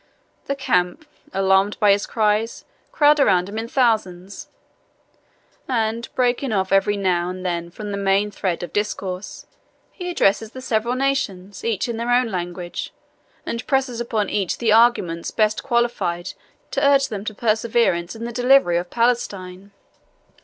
The camp, alarmed by his cries, crowd around him in thousands; and breaking off every now and then from the main thread of his discourse, he addresses the several nations, each in their own language, and presses upon each the arguments best qualified to urge them to perseverance in the delivery of Palestine."